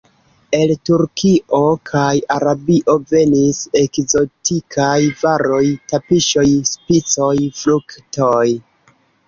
El Turkio kaj Arabio venis ekzotikaj varoj: tapiŝoj, spicoj, fruktoj.